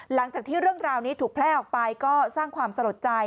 หลังจากที่เรื่องราวนี้ถูกแพร่ออกไปก็สร้างความสลดใจ